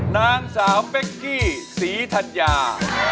นางสาวเป๊กกี้ศรีธัญญา